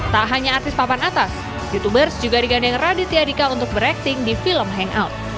tak hanya artis papan atas youtubers juga digandeng raditya dika untuk berakting di film hangout